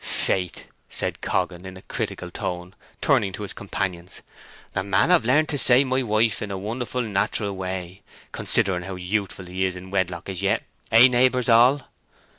"Faith," said Coggan, in a critical tone, turning to his companions, "the man hev learnt to say 'my wife' in a wonderful naterel way, considering how very youthful he is in wedlock as yet—hey, neighbours all?"